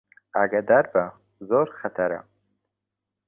ئاگادار بە، زۆر خەتەرە